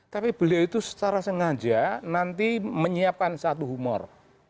tapi beliau itu secara sengaja nanti menyiapkan satu humor